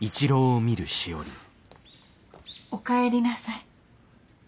おかえりなさい。